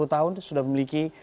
dua puluh tahun sudah memiliki